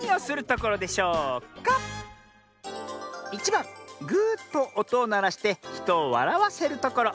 １ばん「ぐとおとをならしてひとをわらわせるところ」。